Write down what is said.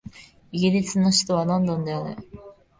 イギリスの首都はロンドンである